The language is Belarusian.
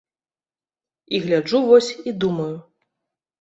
І гляджу вось і думаю.